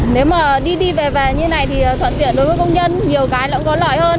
nếu mà đi đi về về như này thì thuận tiện đối với công nhân nhiều cái nó cũng có lợi hơn